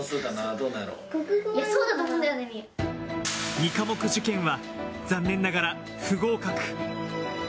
２科目受験は残念ながら不合格。